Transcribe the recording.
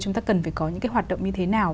chúng ta cần phải có những cái hoạt động như thế nào